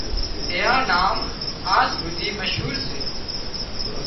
اينئان نام آز هوڌي مشهور سي